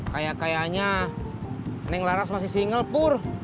kayak kayaknya neng laras masih single pur